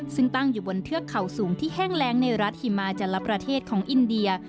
ซึ่งตั้งอยู่บนเทือกเขาสูงที่แห้งแรงในรัฐหิมาจันละประเทศของอินเดีย